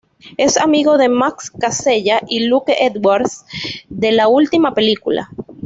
Es amigo de Max Casella y Luke Edwards de la última película.